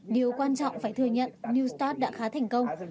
điều quan trọng phải thừa nhận new start đã khá thành công